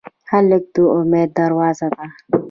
هلک د امید دروازه ده.